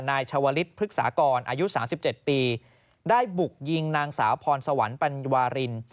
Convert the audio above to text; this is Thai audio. ชาวลิศพฤกษากรอายุ๓๗ปีได้บุกยิงนางสาวพรสวรรค์ปัญวาริน